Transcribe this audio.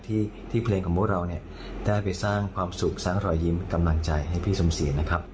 ที่เพลงของพวกเราเนี่ยได้ไปสร้างความสุขสร้างรอยยิ้มกำลังใจให้พี่สมเสียนะครับ